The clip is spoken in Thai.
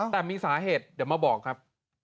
แต่มีสาเหตุเดี๋ยวมาบอกครับ